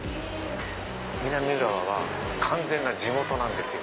南浦和は完全な地元なんですよ。